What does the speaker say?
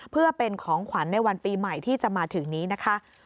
เพื่อเป็นของขวัญในวันปีใหม่ที่จะมาถึงนี้นะคะ